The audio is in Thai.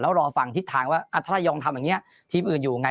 แล้วรอฟังทิศทางว่าถ้าระยองทำอย่างนี้ทีมอื่นอยู่ไง